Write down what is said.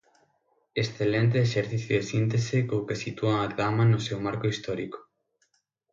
Excelente exercicio de síntese co que sitúan a trama no seu marco histórico.